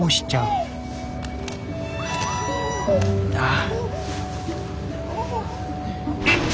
ああ。